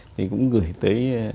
thì cũng gửi tới